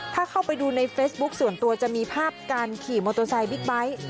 ถ้าเข้าไปดูในเฟซบุ๊คส่วนตัวจะมีภาพการขี่มอเตอร์ไซค์บิ๊กไบท์